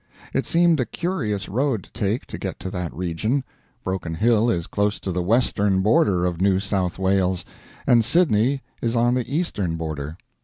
It seemed a curious road to take to get to that region. Broken Hill is close to the western border of New South Wales, and Sydney is on the eastern border.